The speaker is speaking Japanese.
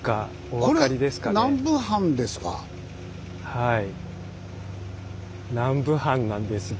はい。